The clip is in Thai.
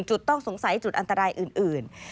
จุดต้องสงสัยจุดอันตรายอื่น